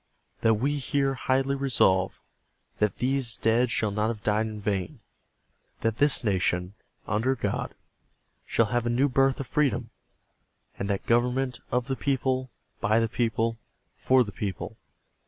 .. that we here highly resolve that these dead shall not have died in vain. .. that this nation, under God, shall have a new birth of freedom. .. and that government of the people. . .by the people. . .for the people.